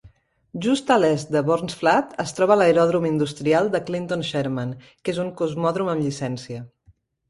Just a l'est de Burns Flat es troba l'Aeròdrom Industrial de Clinton-Sherman, que és un cosmòdrom amb llicència.